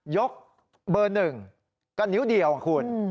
ยกเบอร์๑ก็นิ้วเดียวคุณ